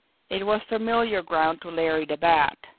It was familiar ground to Larry the Bat.